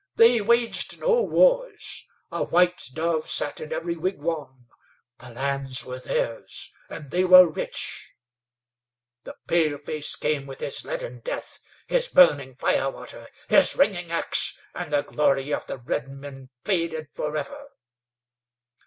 They waged no wars. A white dove sat in every wigwam. The lands were theirs and they were rich. The paleface came with his leaden death, his burning firewater, his ringing ax, and the glory of the redmen faded forever.